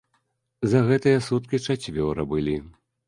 За гэтыя суткі чацвёра былі.